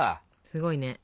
すごいね。